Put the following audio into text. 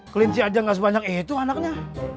kelinci aja gak sebanyak itu anaknya